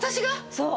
そう。